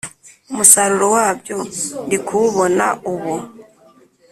umusaruro wabyo ndi kuwubona ubu,